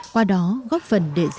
qua đó góp phần để di sản mãi